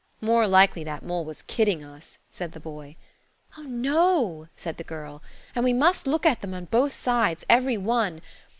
"More likely that mole was kidding us," said the boy. "Oh, no," said the girl; "and we must look at them on both sides–every one.